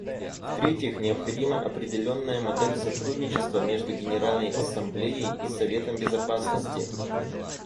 Втретьих, необходима определенная модель сотрудничества между Генеральной Ассамблеей и Советом Безопасности.